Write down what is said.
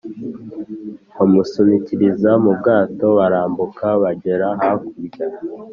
bamusunikiriza mubwato barambuka bagera hakurya!